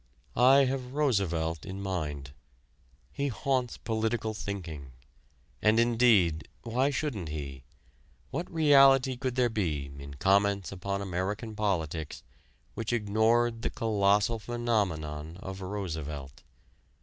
I have Roosevelt in mind. He haunts political thinking. And indeed, why shouldn't he? What reality could there be in comments upon American politics which ignored the colossal phenomenon of Roosevelt?